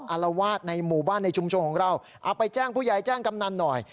อารวาสในหมู่บ้านในชุมชนของเราเอาไปแจ้งผู้ใหญ่แจ้งกำนันหน่อย